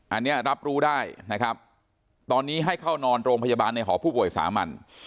อันนี้รับรู้ได้นะครับตอนนี้ให้เข้านอนโรงพยาบาลในหอผู้ป่วยสามัญ